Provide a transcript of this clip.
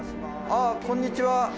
こんにちは。